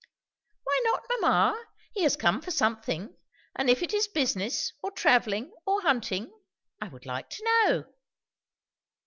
"Why not, mamma? He has come for something; and if it is business, or travelling, or hunting, I would like to know."